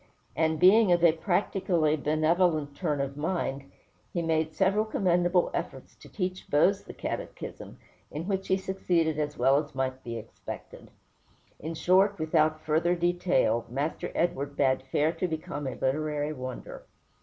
And, being of a practically benevolent turn of mind, he made several commendable efforts to teach Bose the Catechism, in which he succeeded as well as might be expected. In short, without further detail, Master Edward bade fair to become a literary wonder.